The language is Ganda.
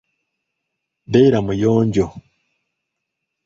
Beera muyonjo.